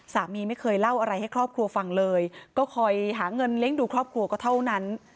สามีไม่เคยเล่าอะไรให้ครอบครัวฟังเลยก็คอยหาเงินเลี้ยงดูครอบครัวก็เท่านั้น